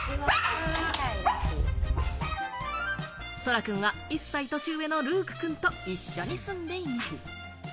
空くんは１歳年上のルークくんと一緒に住んでいます。